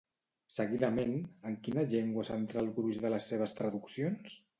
Seguidament, en quina llengua centrà el gruix de les seves traduccions?